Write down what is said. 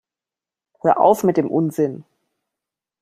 Hör auf mit dem Unsinn!